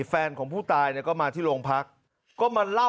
แฟนของผู้ตายก็มาที่โรงพักก็มาเล่าให้ทีมข่าว